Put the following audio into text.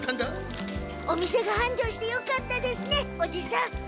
お店がはんじょうしてよかったですねおじさん！